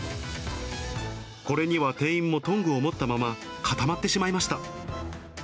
これには店員もトングを持ったまま固まってしまいました。